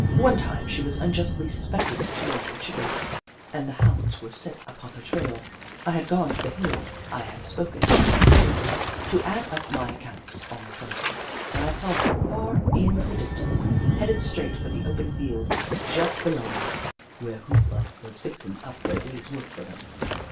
One time, she was unjustly suspected of stealing some Chickens, and the Hounds were set upon her trail. I had gone to the hill I have spoken of before, to add up my accounts on the summit, and I saw them, far in the dis tance, headed straight for the open field just below me, where Hoop La was fixing up their day's work for them.